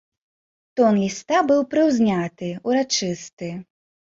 Тон ліста быў прыўзняты, урачысты.